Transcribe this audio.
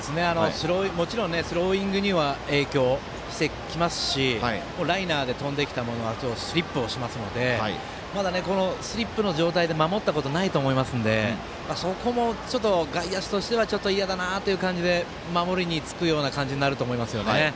もちろんスローイングには影響してきますしライナーで飛んできたものだとスリップしますのでまだスリップの状態で守ったことないと思いますのでそこも外野手としてはちょっと嫌だなという感じで守りにつくような感じになると思いますよね。